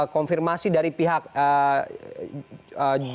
konfirmasi dari pihak jenderal jenderal jenderal